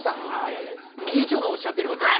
いやいや理事長がおっしゃってる事は。